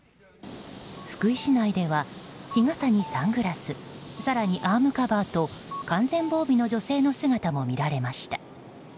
福井市内では日傘にサングラス更にアームカバーと、完全防備の女性の姿も見られました。